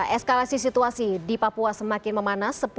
eskalasi situasi di papua semakin memanas